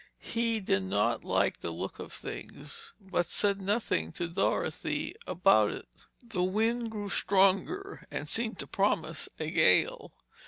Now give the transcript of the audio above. He did not like the look of things, but said nothing to Dorothy about it. The wind grew stronger and seemed to promise a gale.